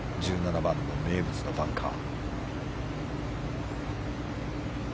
１７番の名物のバンカー。